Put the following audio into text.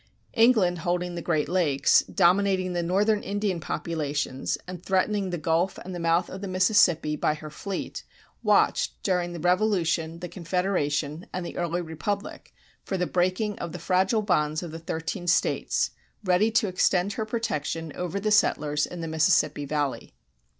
[186:1] England holding the Great Lakes, dominating the northern Indian populations and threatening the Gulf and the mouth of the Mississippi by her fleet, watched during the Revolution, the Confederation, and the early republic for the breaking of the fragile bonds of the thirteen States, ready to extend her protection over the settlers in the Mississippi Valley.